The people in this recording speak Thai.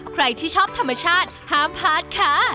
ใครที่ชอบธรรมชาติห้ามพลาดค่ะ